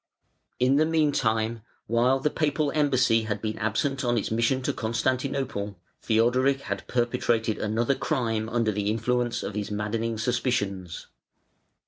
In the meantime, while the Papal embassy had been absent on its mission to Constantinople, Theodoric had perpetrated another crime under the influence of his maddening suspicions.